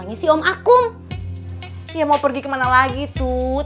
masya allah kita yang lebih baik